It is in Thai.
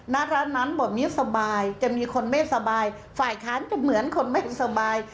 นาทราน้านบ่มีสบายจะมีคนไม่สบายฝ่ายค้านก็เหมือนคนไม่สบาย